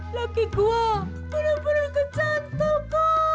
laki gua benar benar kecantum kau